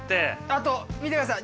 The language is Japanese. あと見てください